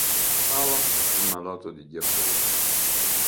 Halac è malato di diabete.